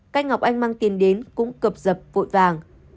cách ngọc anh mang tiền đến cũng cựp dập vội vàng